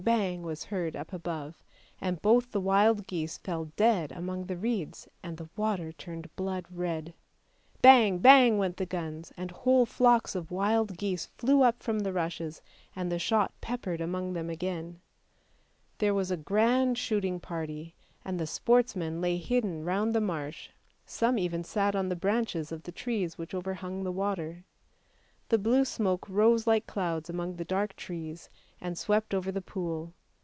bang ! was heard up above, and both the wild geese fell dead among the reeds, and the water turned blood red. Bang! bang! went the guns, and whole flocks of wild geese flew up from the rushes and the shot peppered among them again. There was a grand shooting party, and the sportsmen lay hidden round the marsh, some even sat on the branches of the trees which overhung the water; the blue smoke rose like clouds among the dark trees and swept over the pool.